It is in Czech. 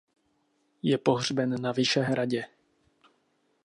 Je pohřben na Vyšehradě.